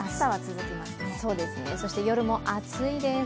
そして夜も暑いです。